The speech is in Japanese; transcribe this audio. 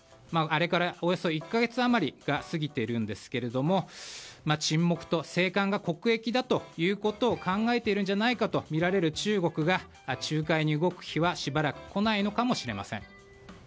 あれからおよそ１か月余りが過ぎているんですけれども沈黙と静観が国益だということを考えているんじゃないかとみられる中国が仲介に動く日はしばらく来ないのかもしれません。